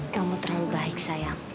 kamu terlalu baik sayang